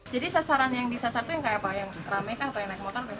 jadi sasaran yang disasarkan itu yang rame atau yang naik motor